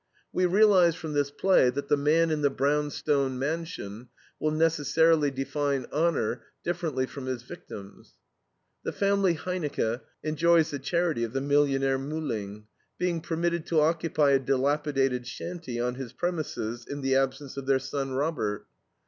We realize from this play that the man in the brownstone mansion will necessarily define honor differently from his victims. The family Heinecke enjoys the charity of the millionaire Muhling, being permitted to occupy a dilapidated shanty on his premises in the absence of their son, Robert.